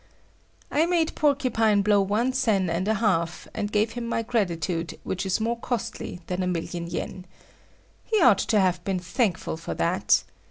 I made Porcupine blow one sen and a half, and gave him my gratitude which is more costly than a million yen. He ought to have been thankful for that.